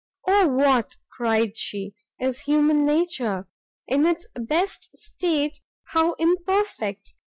"Oh what," cried she, "is human nature! in its best state how imperfect!